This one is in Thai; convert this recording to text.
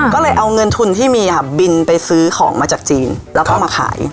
ก็เลยเอาเงินทุนที่มีค่ะบินไปซื้อของมาจากจีนแล้วก็มาขาย